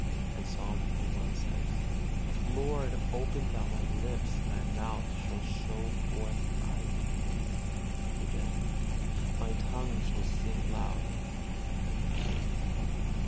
As Psalm li. says: "Lord, open Thou my lips, and my mouth shall show forth Thy praise." Again: "My tongue shall sing aloud of Thy mercy."